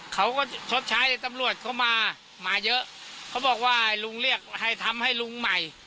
ชดใช้ตำรวจเขามามาเยอะเขาบอกว่าลุงเรียกให้ทำให้ลุงใหม่